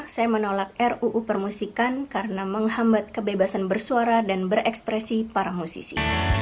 saya menolak ruu permusikan karena menghambat kebebasan bersuara dan berekspresi para musisi